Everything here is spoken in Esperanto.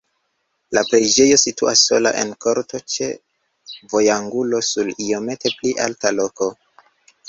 La preĝejo situas sola en korto ĉe vojangulo sur iomete pli alta loko.